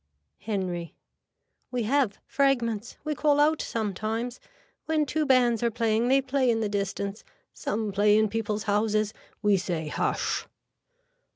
(Henry.) We have fragments. We call out sometimes. When two bands are playing they play in the distance. Some play in people's houses. We say hush.